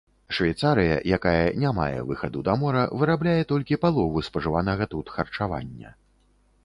Швейцарыя, якая не мае выхаду да мора, вырабляе толькі палову спажыванага тут харчавання.